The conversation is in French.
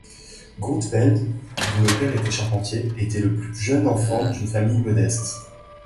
Grootveld, dont le père était charpentier était le plus jeune enfant d'une famille modeste.